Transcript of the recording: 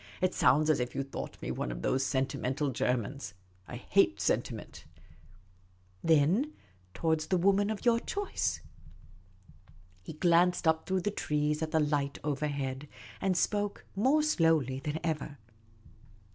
" It sounds as if you thought me one of those sentimental Germans. I hate sentiment." " Then, towards the woman of his choice." 52 Miss Caylcy's Adventures He glanced up through the tree.s at the light overhead, and spoke more slowly than ev^er.